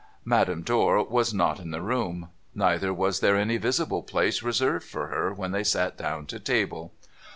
Madame Dor was not in the room. Neither was there any visible place reserved for her when they sat down to table.